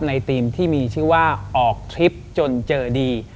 ทีมที่มีชื่อว่าออกทริปจนเจอดี